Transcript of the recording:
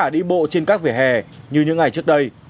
đi bộ trên các vỉa hè như những ngày trước đây